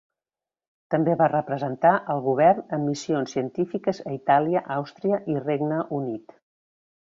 També va representar al Govern en missions científiques a Itàlia, Àustria i Regne Unit.